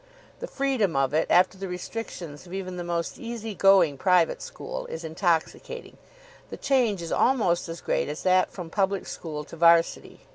The freedom of it, after the restrictions of even the most easy going private school, is intoxicating. The change is almost as great as that from public school to 'Varsity.